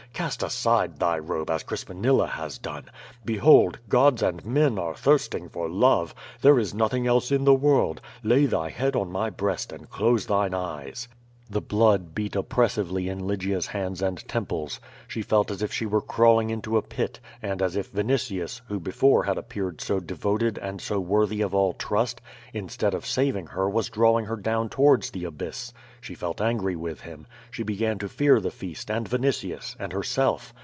Cast aside thy robe as Crispinilla has done. Behold! gods and men are thirsting for love. There is nothing else in the world. Lay thy head on my breast and close thine eyes." The blood beat oppressively in Lygia's hands and temples. She felt as if she were crawling into a pit, and as if Yinitius, who before had appeared so devoted and so worthy of all trust, instead of saving her was drawing her down towards the abyss. She felt ansry with him. She began to fear the feast, and Yinitius, and herself.